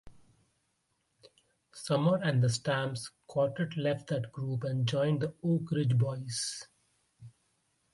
Sumner and the Stamps Quartet left that group and joined the Oak Ridge Boys.